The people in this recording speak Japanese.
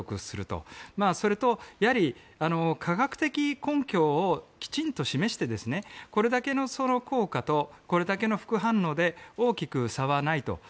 すると、やはり科学的根拠をきちんと示してこれだけの効果とこれだけの副反応で大きく差はないと。